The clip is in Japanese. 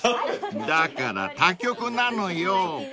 ［だから他局なのよ］